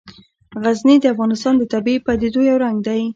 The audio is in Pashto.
غزني د افغانستان د طبیعي پدیدو یو رنګ دی.